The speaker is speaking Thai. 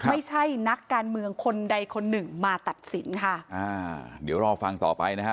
ไม่ใช่นักการเมืองคนใดคนหนึ่งมาตัดสินค่ะอ่าเดี๋ยวรอฟังต่อไปนะฮะ